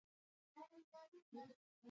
دوی په سمندر کې ژورې څیړنې کوي.